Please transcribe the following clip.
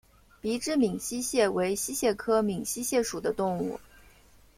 鼻肢闽溪蟹为溪蟹科闽溪蟹属的动物。